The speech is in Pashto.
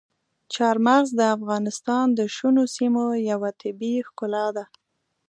چار مغز د افغانستان د شنو سیمو یوه طبیعي ښکلا ده.